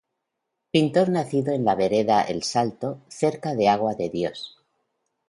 Pintor nacido en la vereda El Salto, cerca de Agua de Dios.